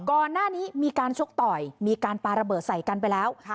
ก่อนหน้านี้มีการชกต่อยมีการปลาระเบิดใส่กันไปแล้ว